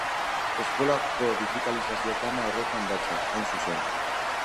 Eskolako digitalizazio plana horretan datza, hain zuzen.